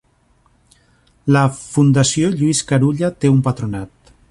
La Fundació Lluís Carulla té un patronat.